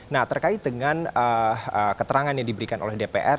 nah terkait dengan keterangan yang diberikan oleh dpr